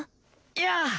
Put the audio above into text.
やあ。